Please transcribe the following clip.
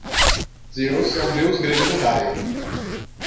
Zeus é um deus grego do raio.